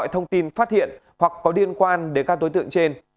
thông tin phát hiện hoặc có liên quan đến các đối tượng trên